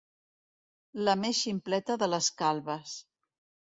La més ximpleta de les calbes.